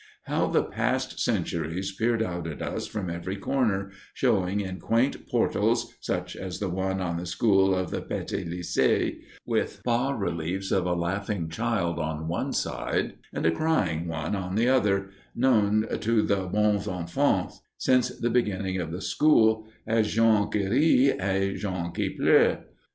How the past centuries peered out at us from every corner, showing in quaint portals such as the one on the school of the Petit Lycée, with its bas reliefs of a laughing child on one side and a crying one on the other, known to the "bons enfants" since the beginning of the school as "Jean qui rit" and "Jean qui pleure."